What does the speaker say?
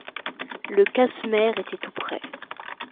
Le Cashmere était tout près.